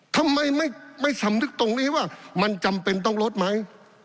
ทำไมไม่สำนึกตรงนี้ว่ามันจำเป็นต้องลดไหม